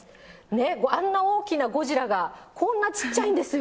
ねえ、あんな大きなゴジラがこんなちっちゃいんですよ。